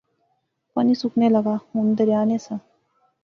پانی سکنے لاغا، ہن دریا نہسا